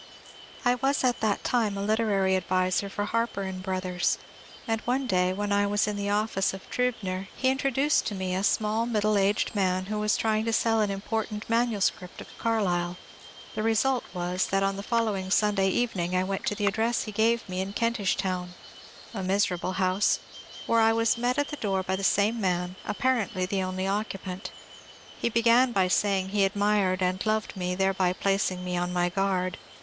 I was at that time a literary adviser for Harper & Brothers, and one day when I was in the office of Triibner, he intro duced to me a small middle aged man who was trying to sell an important manuscript of Carlyle. The result was that on the following Sunday evening I went to the address he gave me in Kentish Town, — a miserable house, — where I was met at the door by the same man, apparently the only occupant. He began saying he admired and loved me, thereby placing me on my guard.